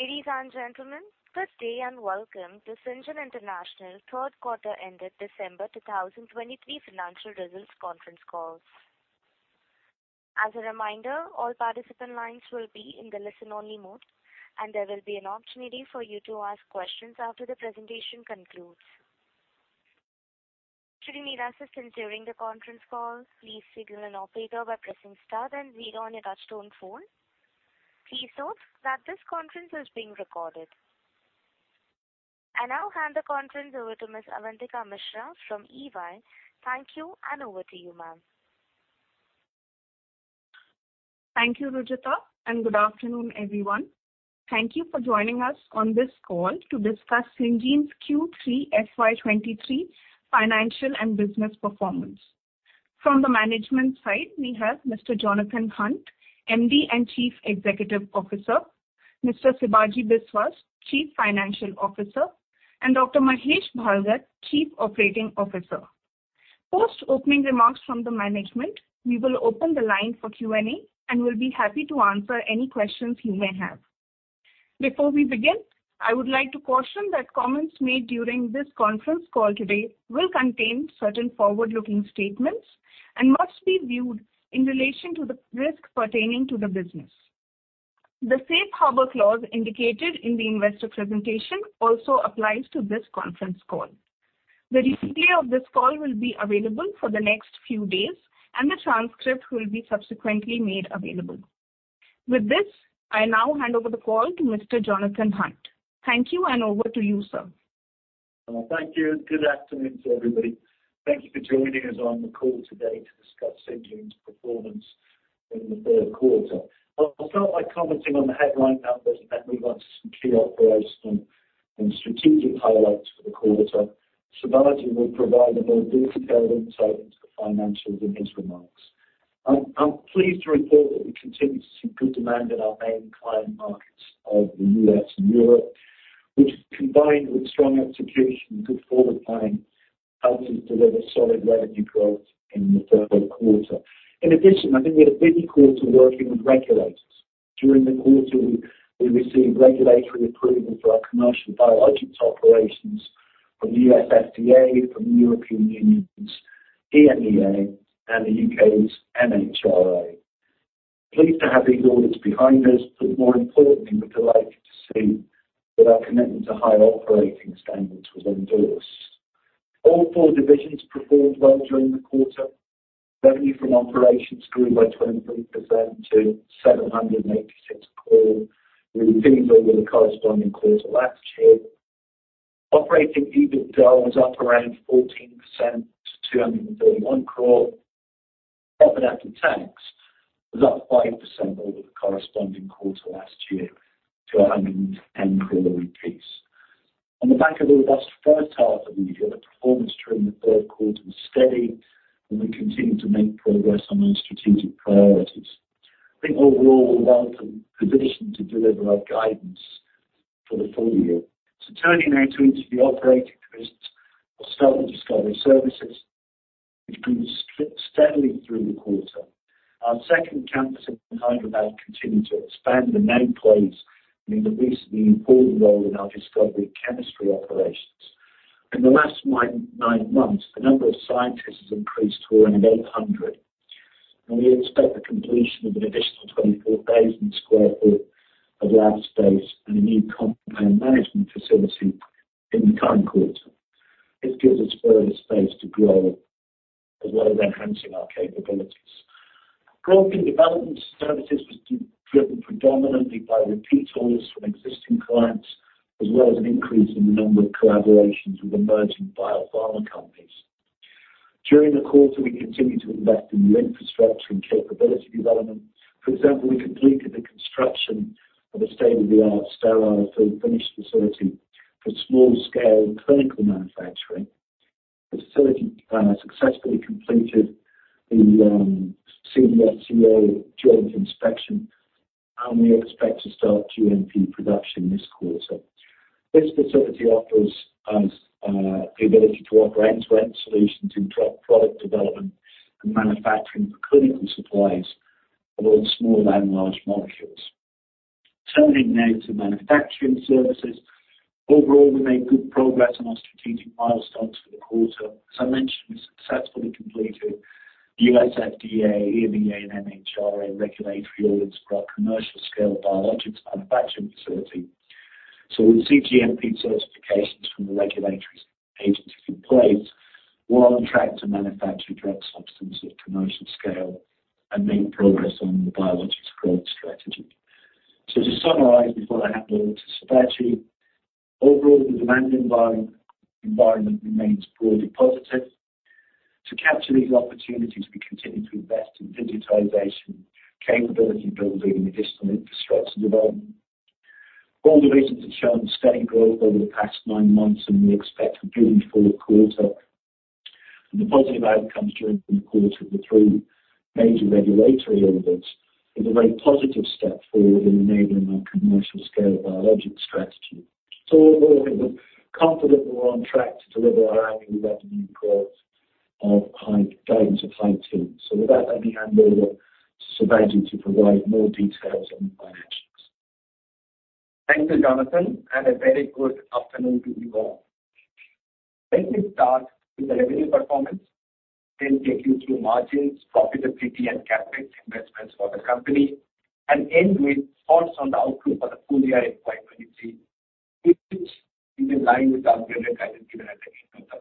Ladies and gentlemen, good day. Welcome to Syngene International Third Quarter Ended December 2023 Financial Results Conference Call. As a reminder, all participant lines will be in the listen-only mode. There will be an opportunity for you to ask questions after the presentation concludes. Should you need assistance during the conference call, please signal an operator by pressing star then zero on your touchtone phone. Please note that this conference is being recorded. I now hand the conference over to Ms. Avantika Mishra from EY. Thank you. Over to you, ma'am. Thank you, Rujuta, good afternoon, everyone. Thank you for joining us on this call to discuss Syngene's Q3 FY23 financial and business performance. From the management side, we have Mr. Jonathan Hunt, MD and Chief Executive Officer, Mr. Sibaji Biswas, Chief Financial Officer, and Dr. Mahesh Bhalgat, Chief Operating Officer. Post opening remarks from the management, we will open the line for Q&A. We'll be happy to answer any questions you may have. Before we begin, I would like to caution that comments made during this conference call today will contain certain forward-looking statements and must be viewed in relation to the risk pertaining to the business. The safe harbor clause indicated in the investor presentation also applies to this conference call. The replay of this call will be available for the next few days. The transcript will be subsequently made available. With this, I now hand over the call to Mr. Jonathan Hunt. Thank you, and over to you, sir. Well, thank you. Good afternoon to everybody. Thank you for joining us on the call today to discuss Syngene's performance in the third quarter. I'll start by commenting on the headline numbers, and then move on to some key operational and strategic highlights for the quarter. Sibaji will provide a more detailed insight into the financials in his remarks. I'm pleased to report that we continue to see good demand in our main client markets of the U.S. and Europe, which combined with strong execution and good forward planning, helped us deliver solid revenue growth in the third quarter. In addition, I think we had a busy quarter working with regulators. During the quarter, we received regulatory approval for our commercial biologics operations from the U.S. FDA, from the European Union's EMA and the U.K.'s MHRA. Pleased to have these audits behind us, but more importantly, we're delighted to see that our commitment to higher operating standards was endorsed. All four divisions performed well during the quarter. Revenue from operations grew by 23% to 786 crore over the corresponding quarter last year. Operating EBITDA was up around 14% to 231 crore. Profit after tax was up 5% over the corresponding quarter last year to 110 crore. On the back of a robust first half, I believe that the performance during the third quarter was steady, and we continued to make progress on our strategic priorities. I think overall we're well-positioned to deliver our guidance for the full year. Turning now to interview operating divisions. I'll start with Discovery Services, which grew steadily through the quarter. Our second campus in Hyderabad continued to expand and now plays an increasingly important role in our discovery chemistry operations. In the last nine months, the number of scientists has increased to around 800, and we expect the completion of an additional 24,000 sq ft of lab space and a new compound management facility in the current quarter. This gives us further space to grow as well as enhancing our capabilities. Growth in Development Services was driven predominantly by repeat orders from existing clients, as well as an increase in the number of collaborations with emerging biopharma companies. During the quarter, we continued to invest in new infrastructure and capability development. For example, we completed the construction of a state-of-the-art sterile fill-finish facility for small-scale clinical manufacturing. The facility successfully completed the CDMO joint inspection, and we expect to start GMP production this quarter. This facility offers us the ability to offer end-to-end solutions in product development and manufacturing for clinical supplies of both small and large molecules. Turning now to Manufacturing Services. Overall, we made good progress on our strategic milestones for the quarter. As I mentioned, we successfully completed the U.S. FDA, EMA and MHRA regulatory audits for our commercial-scale biologics manufacturing facility. With cGMP certifications from the regulatory agencies in place, we're on track to manufacture drug substance at commercial scale and make progress on the biologics growth strategy. To summarize before I hand over to Sibaji, overall the demand environment remains broadly positive. To capture these opportunities, we continue to invest in digitization, capability building, and additional infrastructure development. All divisions have shown steady growth over the past nine months, and we expect a good fourth quarter. The positive outcomes during the quarter of the three major regulatory audits is a very positive step forward in enabling our commercial-scale biologics strategy. Overall, I think we're confident we're on track to deliver our annual revenue growthOf high gains applied to. With that, I hand over to Suraj to provide more details on the financials. Thank you, Jonathan, and a very good afternoon to you all. Let me start with the revenue performance, then take you through margins, profitability and CapEx investments for the company and end with thoughts on the outlook for the full year in 2023, which is in line with our earlier guidance given at the end of the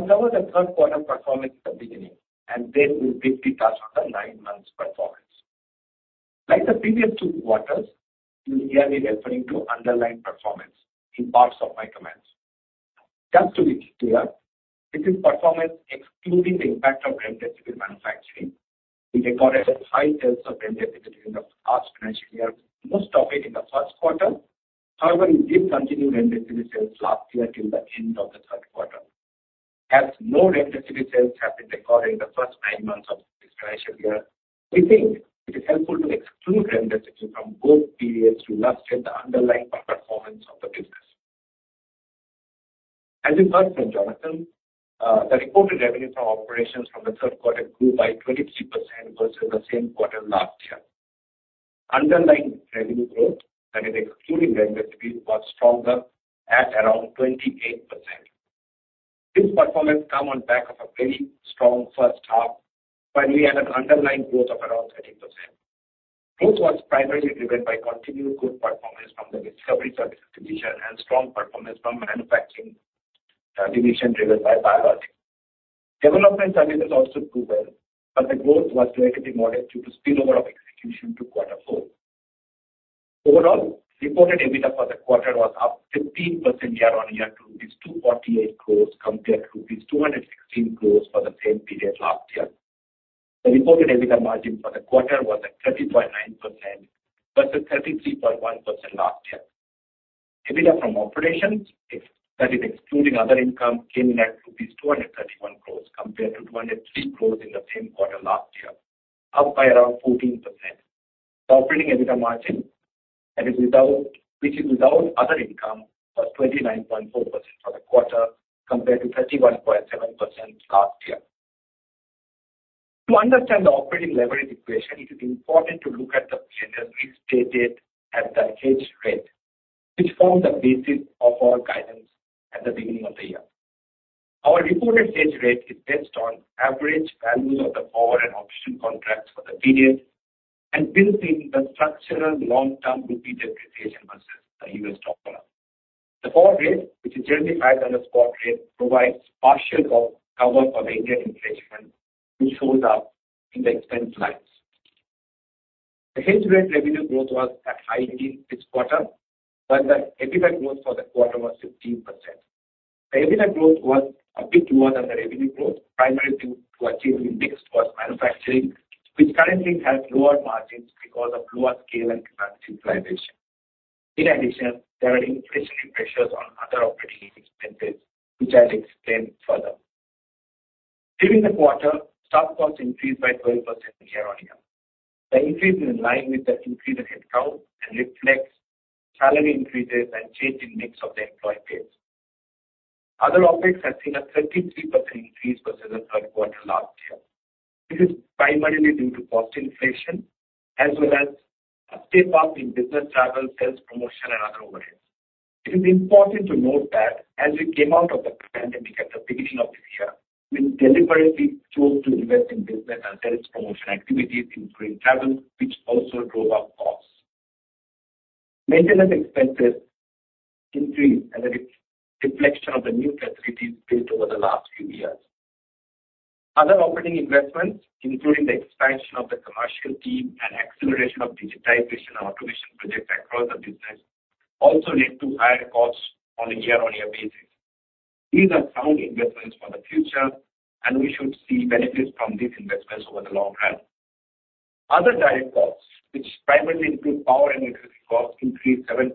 first quarter. I'll cover the third quarter performance at the beginning, and then we'll briefly touch on the nine months performance. Like the previous two quarters, we'll be referring to underlying performance in parts of my comments. Just to be clear, this is performance excluding the impact of Renesculpt manufacturing. We recorded high sales of Renesculpt during the last financial year, most of it in the first quarter. However, we did continue Renesculpt sales last year till the end of the third quarter. No Renesculpt sales have been recorded in the first nine months of this financial year, we think it is helpful to exclude Renesculpt from both periods to illustrate the underlying performance of the business. You heard from Jonathan, the reported revenue from operations from the third quarter grew by 23% versus the same quarter last year. Underlying revenue growth, that is, excluding Renesculpt, was stronger at around 28%. This performance come on back of a very strong first half, where we had an underlying growth of around 13%. Growth was primarily driven by continued good performance from the recovery services division and strong performance from manufacturing division driven by biologics. Development Services also grew well, the growth was relatively modest due to spillover of execution to quarter four. Overall, reported EBITDA for the quarter was up 15% year-on-year to rupees 248 crores compared to rupees 216 crores for the same period last year. The reported EBITDA margin for the quarter was at 30.9% versus 33.1% last year. EBITDA from operations, that is excluding other income, came in at rupees 231 crores compared to 203 crores in the same quarter last year, up by around 14%. Operating EBITDA margin, that is without other income, was 29.4% for the quarter compared to 31.7% last year. To understand the operating leverage equation, it is important to look at the business restated at the hedge rate, which forms the basis of our guidance at the beginning of the year. Our reported hedge rate is based on average values of the forward and option contracts for the period and builds in the structural long-term rupee depreciation versus the US dollar. The forward rate, which is generally higher than the spot rate, provides partial cover for the Indian inflation, which shows up in the expense lines. The hedge rate revenue growth was at high 80 this quarter, but the EBITDA growth for the quarter was 15%. The EBITDA growth was a bit lower than the revenue growth, primarily due to achieving mix towards manufacturing, which currently has lower margins because of lower scale and capacity utilization. In addition, there are inflationary pressures on other operating expenses, which I'll explain further. During the quarter, staff costs increased by 12% year-on-year. The increase is in line with the increase in headcount and reflects salary increases and change in mix of the employee base. Other OpEx has seen a 33% increase versus the third quarter last year. This is primarily due to cost inflation as well as a step up in business travel, sales promotion and other overheads. It is important to note that as we came out of the pandemic at the beginning of this year, we deliberately chose to invest in business and sales promotion activities, including travel, which also drove up costs. Maintenance expenses increased as a re-reflection of the new capacities built over the last few years. Other operating investments, including the expansion of the commercial team and acceleration of digitization and automation projects across the business, also led to higher costs on a year-on-year basis. These are sound investments for the future. We should see benefits from these investments over the long run. Other direct costs, which primarily include power and utility costs, increased 7%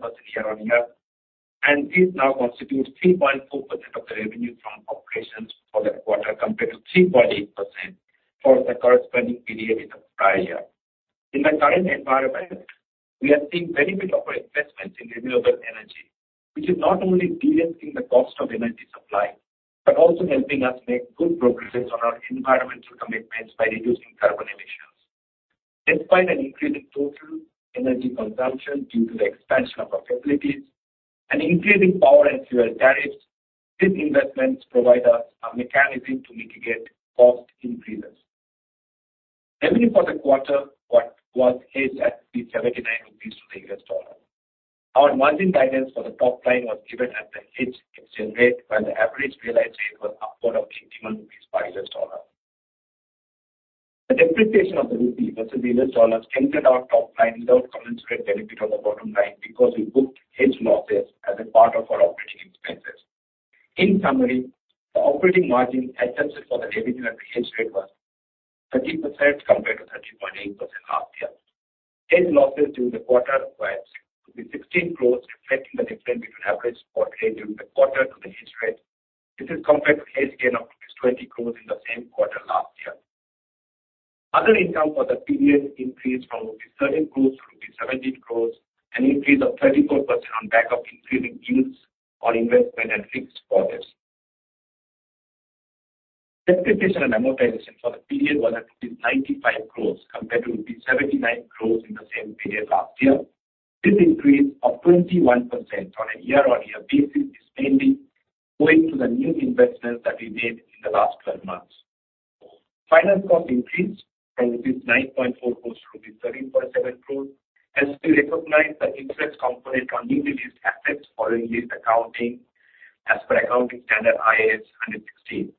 year-on-year. These now constitute 3.4% of the revenue from operations for the quarter, compared to 3.8% for the corresponding period in the prior year. In the current environment, we are seeing benefit of our investments in renewable energy, which is not only reducing the cost of energy supply, but also helping us make good progress on our environmental commitments by reducing carbon emissions. Despite an increase in total energy consumption due to the expansion of our facilities and increasing power and fuel tariffs, these investments provide us a mechanism to mitigate cost increases. Revenue for the quarter was hedged at 79 rupees to the US dollar. Our margin guidance for the top line was given at the hedge exchange rate, while the average realized rate was upward of 81 rupees per US dollar. The depreciation of the rupee versus the US dollar strengthened our top line without commensurate benefit on the bottom line because we booked hedge losses as a part of our operating expenses. In summary, the operating margin adjusted for the revenue at the hedge rate was 30% compared to 30.8% last year. Hedge losses during the quarter were 16 crores, reflecting the difference between average spot rate during the quarter to the hedge rate. This is compared to hedge gain of 20 crores in the same quarter last year. Other income for the period increased from 13 crores to 17 crores, an increase of 34% on back of increasing yields on investment and fixed deposits. Depreciation and amortization for the period was at 95 crores compared to 79 crores in the same period last year. This increase of 21% on a year-on-year basis is mainly owing to the new investments that we made in the last 12 months. Finance cost increased from 9.4 crores to 13.7 crores as we recognize the interest component on newly leased assets following lease accounting as per accounting standard Ind AS 116.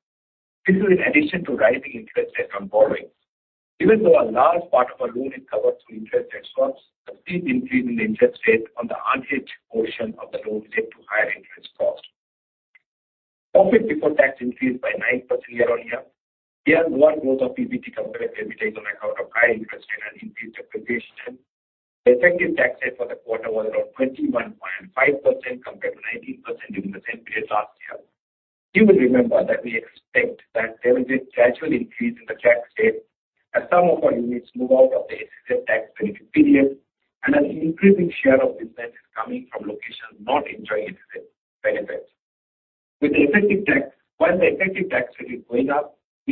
This is in addition to rising interest rate on borrowings. Even though a large part of our loan is covered through interest rate swaps, the steep increase in the interest rate on the unhedged portion of the loan led to higher interest costs. Profit before tax increased by 9% year-on-year. Here, lower growth of PBT compared to EBITDA is on account of higher interest rate and increased depreciation. The effective tax rate for the quarter was around 21.5% compared to 19% during the same period last year. You will remember that we expect that there will be a gradual increase in the tax rate as some of our units move out of the SEZ tax benefit period and an increasing share of business is coming from locations not enjoying SEZ benefits. With the effective tax, while the effective tax rate is going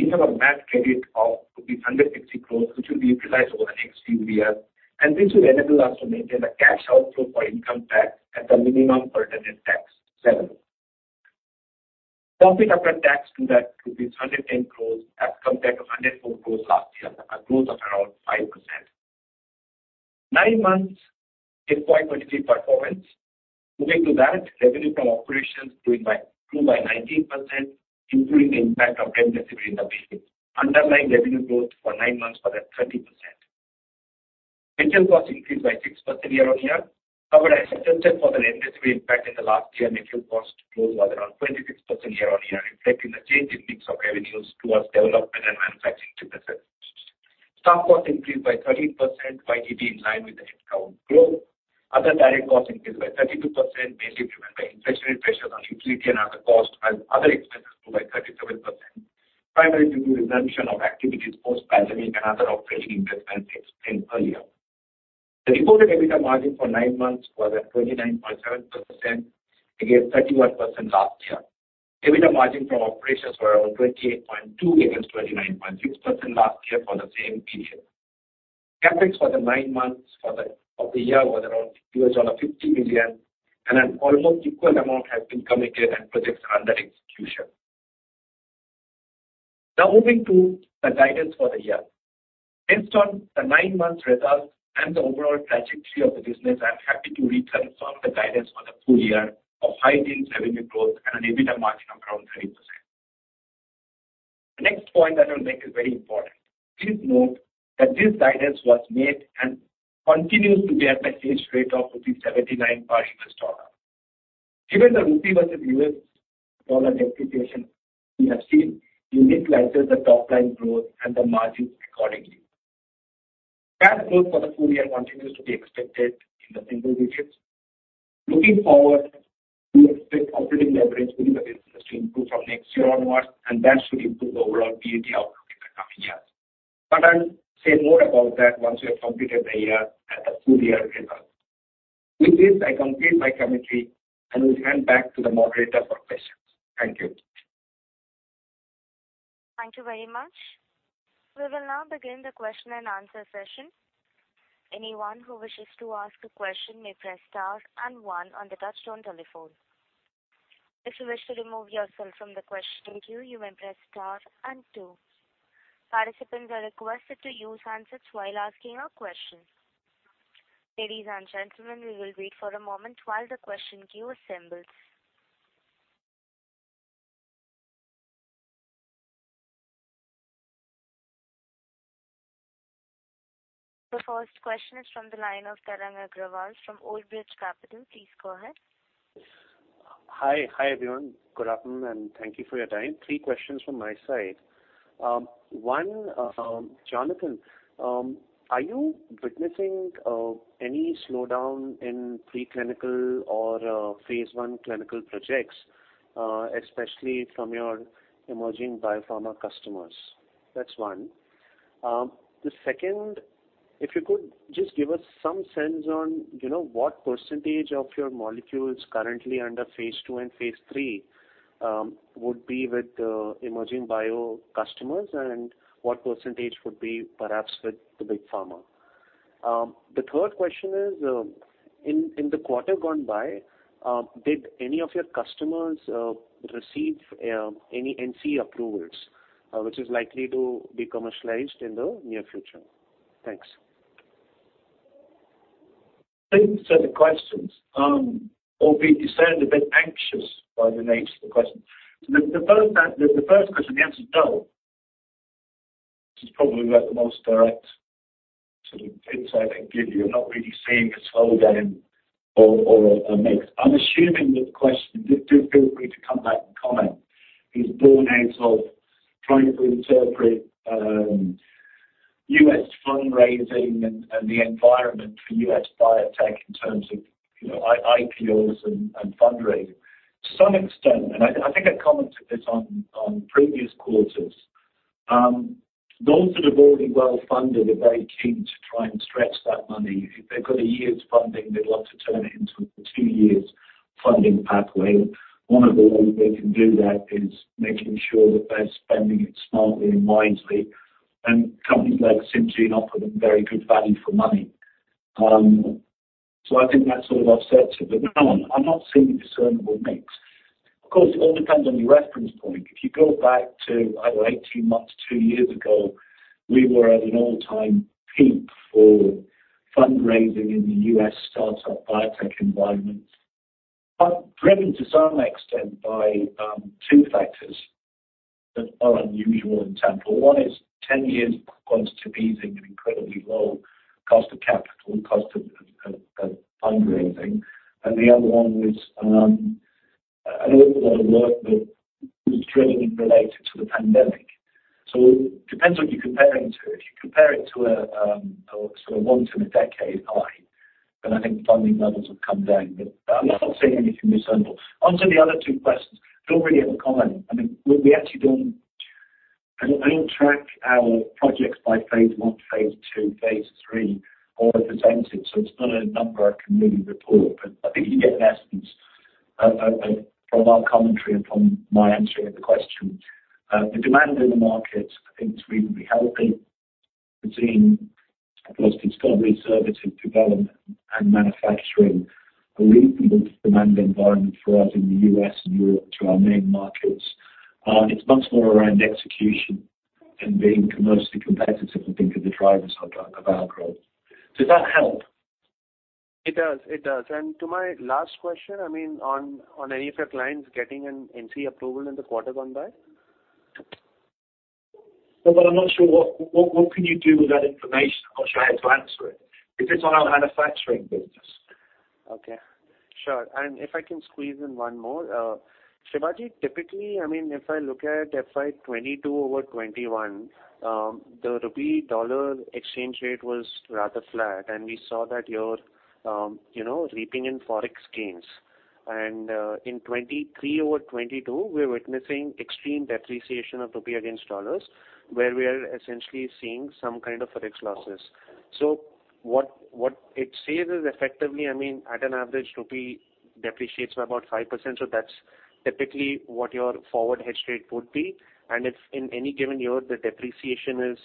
up, we have a MAT credit of 160 crore, which will be utilized over the next few years, and this will enable us to maintain the cash outflow for income tax at the minimum pertinent tax settled. Profit after tax stood at 110 crores as compared to 104 crores last year, a growth of around 5%. nine months 8.23 performance. Moving to that, revenue from operations grew by 19%, including the impact of revenue in the business. Underlying revenue growth for nine months was at 30%. Material costs increased by 6% year-on-year. However, adjusted for the revenue impact in the last year, material cost growth was around 26% year-on-year, reflecting the change in mix of revenues towards development and manufacturing businesses. Staff costs increased by 13%, YTD in line with the headcount growth. Other direct costs increased by 32%, mainly driven by inflationary pressures on utility and other costs while other expenses grew by 37%, primarily due to resumption of activities post-pandemic and other operating investments explained earlier. The reported EBITDA margin for nine months was at 29.7% against 31% last year. EBITDA margin from operations were around 28.2% against 29.6% last year for the same period. CapEx for the nine months of the year was around $50 million, and an almost equal amount has been committed and projects under execution. Moving to the guidance for the year. Based on the nine months results and the overall trajectory of the business, I'm happy to reconfirm the guidance for the full year of high teens revenue growth and an EBITDA margin of around 30%. The next point I will make is very important. Please note that this guidance was made and continues to be at the exchange rate of rupees 79 per US dollar. Given the rupee versus US dollar depreciation we have seen, we need to adjust the top-line growth and the margins accordingly. Cash growth for the full year continues to be expected in the single digits. Looking forward, we expect operating leverage within the business to improve from next year onwards, and that should improve the overall PAT outlook in the coming years. I'll say more about that once we have completed the year at the full year results. With this, I complete my commentary and will hand back to the moderator for questions. Thank you. Thank you very much. We will now begin the question and answer session. Anyone who wishes to ask a question may press star and one on the touchtone telephone. If you wish to remove yourself from the question queue, you may press star and two. Participants are requested to use handsets while asking a question. Ladies and gentlemen, we will wait for a moment while the question queue assembles. The first question is from the line of Tarang Agrawal from Old Bridge Capital Management. Please go ahead. Hi. Hi, everyone. Good afternoon, and thank you for your time. Three questions from my side. One, Jonathan, are you witnessing any slowdown in preclinical or phase one clinical projects, especially from your emerging biopharma customers? That's one. The two, if you could just give us some sense on, you know, what percentage of your molecules currently under phase II and phase III would be with the emerging bio customers and what percentage would be perhaps with the big pharma. The third question is, in the quarter gone by, did any of your customers receive any NCE approvals, which is likely to be commercialized in the near future? Thanks. Thank you for the questions. We sound a bit anxious by the nature of the question. The first question, the answer is no. This is probably about the most direct sort of insight I can give you. I'm not really seeing a slowdown or a mix. I'm assuming that the question, do feel free to come back and comment, is born out of trying to interpret U.S. fundraising and the environment for U.S. biotech in terms of, you know, IPOs and fundraising. To some extent, and I think I commented this on previous quarters. Those that have already well-funded are very keen to try and stretch that money. If they've got a year's funding, they'd love to turn it into a two years funding pathway. One of the ways they can do that is making sure that they're spending it smartly and wisely. Companies like Syngene offer them very good value for money. I think that sort of offsets it. No, I'm not seeing a discernible mix. Of course, it all depends on your reference point. If you go back to, I don't know, 18 months, two years ago, we were at an all-time peak for fundraising in the US startup biotech environment. Driven to some extent by two factors that are unusual in tandem. One is 10 years of quantitative easing and incredibly low cost of capital, cost of fundraising. The other one was an awful lot of work that was driven and related to the pandemic. It depends what you're comparing to. If you compare it to a sort of once in a decade high, then I think funding levels have come down. I'm not seeing anything discernible. Onto the other two questions. Don't really have a comment. I mean, we actually don't track our projects by phase one, phase two, phase three or as presented, so it's not a number I can really report. I think you get an essence from our commentary and from my answering of the question. The demand in the market, I think it's reasonably healthy between, I suppose, discovery, service and development and manufacturing. A reasonable demand environment for us in the U.S. and Europe to our main markets. It's much more around execution and being commercially competitive, I think, are the drivers of our growth. Does that help? It does. It does. To my last question, I mean, on any of your clients getting an NCE approval in the quarter gone by? Well, I'm not sure what can you do with that information? I'm not sure how to answer it if it's on our manufacturing business. Okay. Sure. If I can squeeze in one more. Sibaji, typically, I mean, if I look at FY 2022 over 2021, the rupee-dollar exchange rate was rather flat, and we saw that you're, you know, reaping in Forex gains. In 2023 over 2022, we're witnessing extreme depreciation of rupee against dollars, where we are essentially seeing some kind of Forex losses. What it says is effectively, I mean, at an average rupee depreciates by about 5%, so that's typically what your forward hedge rate would be. If in any given year the depreciation is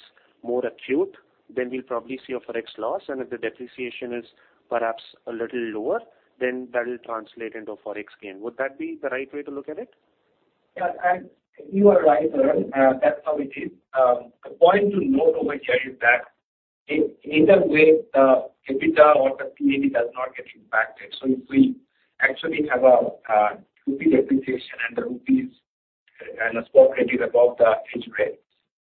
more acute, then we'll probably see a Forex loss. If the depreciation is perhaps a little lower, then that'll translate into a Forex gain. Would that be the right way to look at it? Yeah. You are right, Varun. That's how it is. The point to note over here is that either way, the EBITDA or the P&L does not get impacted. If we actually have a rupee depreciation and the rupee is, and the spot rate is above the hedge rate,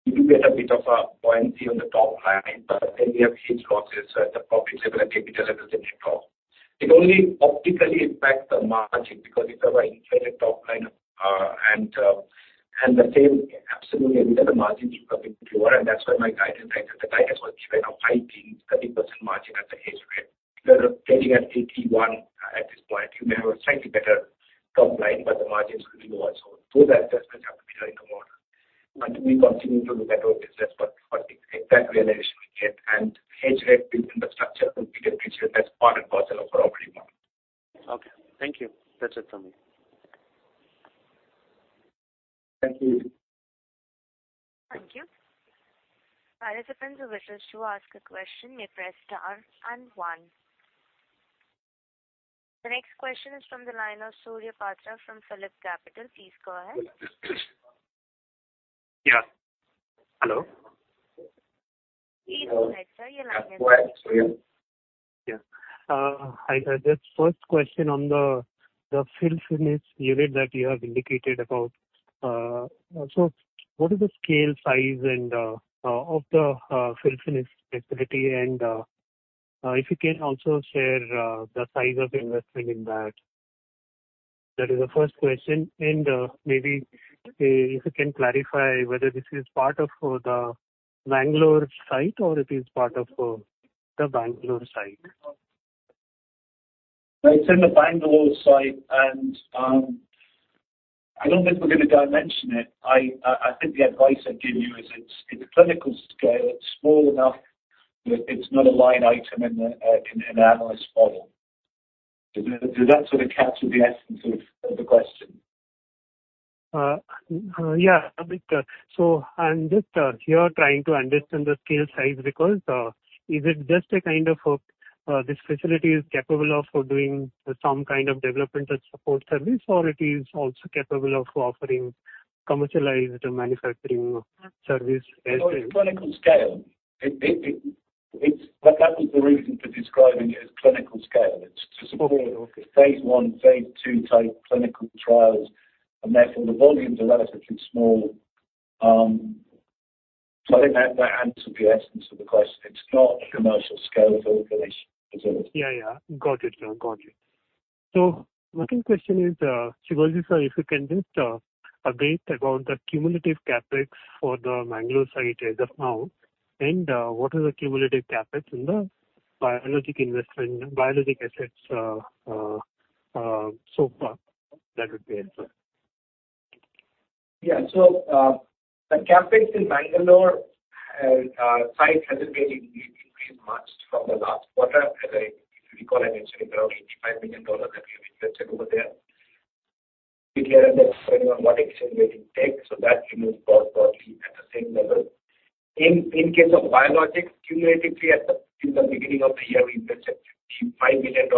you do get a bit of a buoyancy on the top line, but we have hedge losses at the profit level, EBITDA level, they cancel. It only optically impacts the margin because it's a very inflated top line. The same absolutely with other margins will come in lower. That's why the guidance was given of high teens, 30% margin at the hedge rate. We're getting at 81 at this point. You may have a slightly better top line, but the margins will be lower. Those adjustments have to be made in the model. We continue to look at our business for the exact realization we get and hedge rate built in the structure completely, which is as part and parcel of our operating model. Okay. Thank you. That's it from me. Thank you. Thank you. Participants who wishes to ask a question may press star and one. The next question is from the line of Surya Patra from PhillipCapital. Please go ahead. Yeah. Hello. Please go ahead, sir. Your line is open. Go ahead, Surya. Yeah. Hi. Just first question on the fill finish unit that you have indicated about. What is the scale size of the fill finish facility? If you can also share the size of investment in that. That is the first question. Maybe if you can clarify whether this is part of the Bangalore site or it is part of the Bangalore site. It's in the Bangalore site. I don't think we're gonna dimension it. I think the advice I'd give you is it's in a clinical scale. It's small enough that it's not a line item in the in an analyst model. Does that sort of capture the essence of the question? Yeah, a bit. I'm just here trying to understand the scale size because, is it just a kind of a, this facility is capable of doing some kind of development or support service or it is also capable of offering commercialized manufacturing service as well? It's clinical scale. It's That was the reason for describing it as clinical scale. It's to support phase one, phase two type clinical trials. Therefore the volumes are relatively small. I think that answers the essence of the question. It's not a commercial scale fill finish facility. Yeah, yeah. Got it. No, got it. Second question is, Sibaji, Sir, if you can just update about the cumulative CapEx for the Bangalore site as of now, and what is the cumulative CapEx in Biologic investment, biologic assets, so far. That would be it, Sir. The CapEx in Bangalore site hasn't made any increase much from the last quarter. If you recall, I mentioned around $85 million that we have invested over there. We clear that depending on what exchange rate it takes, so that remains more or less at the same level. In case of biologics, cumulatively since the beginning of the year, we've invested $55 million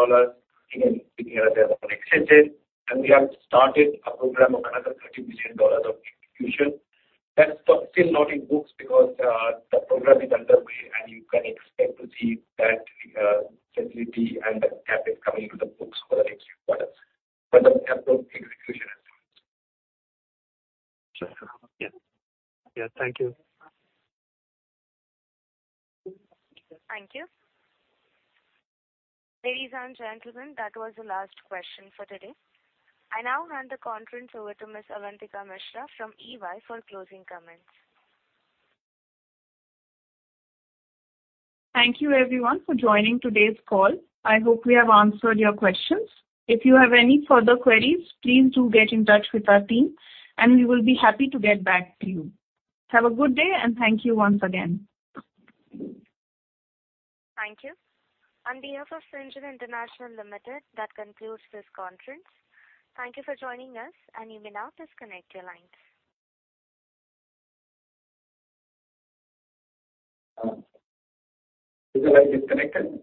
in here that are unexceeded. We have started a program of another $30 million of execution. That's still not in books because the program is underway, and you can expect to see that facility and the CapEx coming into the books for the next few quarters. The capital execution. Sure. Yeah. Yeah. Thank you. Thank you. Ladies and gentlemen, that was the last question for today. I now hand the conference over to Miss Avantika Mishra from EY for closing comments. Thank you everyone for joining today's call. I hope we have answered your questions. If you have any further queries, please do get in touch with our team. We will be happy to get back to you. Have a good day. Thank you once again. Thank you. On behalf of Syngene International Limited, that concludes this conference. Thank you for joining us, and you may now disconnect your lines. You may disconnect them.